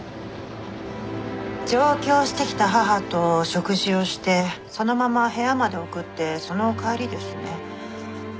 上京してきた母と食事をしてそのまま部屋まで送ってその帰りですね。